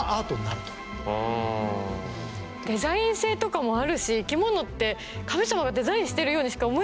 デザイン性とかもあるし生きものって神様がデザインしてるようにしか思えない時ありますね。